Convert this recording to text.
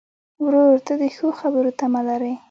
ورور ته د ښو خبرو تمه لرې.